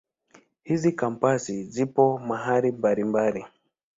Hizi Kampasi zipo mahali mbalimbali.